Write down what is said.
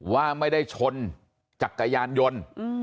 ว่าไม่ได้ชนจักรยานยนต์